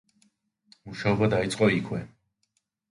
მუშაობა დაიწყო იქვე.